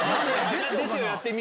やってみ！